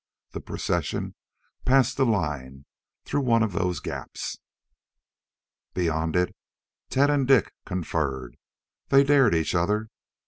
The procession passed the line through one of those gaps. Beyond it, Tet and Dik conferred. They dared each other.